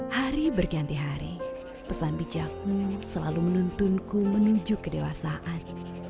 hari berganti hari pesan bijakmu selalu menuntunku menuju kedewasaan